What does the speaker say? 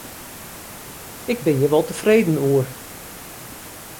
Ik bin hjir wol tefreden oer.